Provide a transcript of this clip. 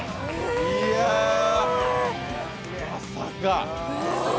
いや、まさか！